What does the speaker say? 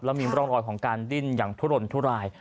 แล้วมีร่องรอยของการดิ้นอย่างทุรนทุราย